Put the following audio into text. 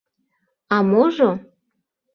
А можо?